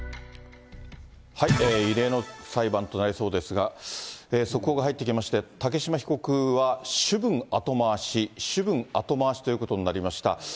異例の裁判となりそうですが、速報が入ってきまして、竹島被告は主文後回し、主文後回しということになりました。